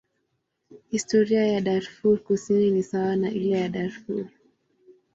Historia ya Darfur Kusini ni sawa na ile ya Darfur.